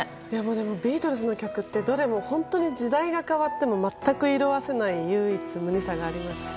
ビートルズの曲ってどれも、本当に時代が変わっても全く色あせない唯一無二さがありますし